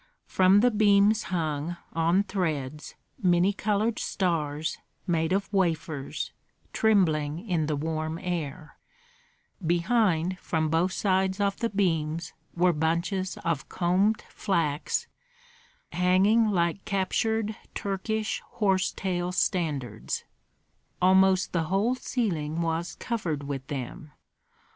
From the beams hung, on threads, many colored stars, made of wafers, trembling in the warm air; behind, from both sides of the beams, were bunches of combed flax, hanging like captured Turkish horse tail standards. Almost the whole ceiling was covered with them.